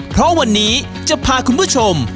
เพราะวันนี้จะพาคุณผู้ชม